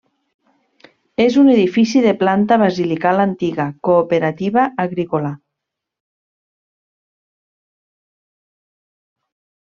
És un edifici de planta basilical antiga cooperativa agrícola.